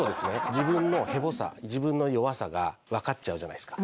自分のヘボさ自分の弱さがわかっちゃうじゃないですか。